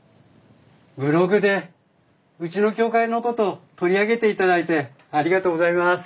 ブログでうちの協会のこと取り上げていただいてありがとうございます。